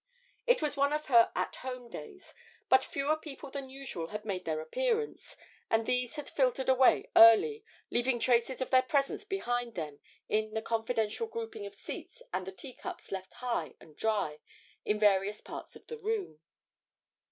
It was one of her 'at home' days, but fewer people than usual had made their appearance, and these had filtered away early, leaving traces of their presence behind them in the confidential grouping of seats and the teacups left high and dry in various parts of the room.